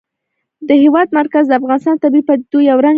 د هېواد مرکز د افغانستان د طبیعي پدیدو یو رنګ دی.